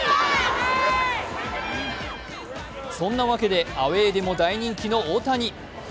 そんなわけでアウェーでも大人気の大谷。